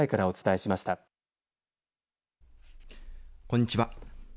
こんにちは。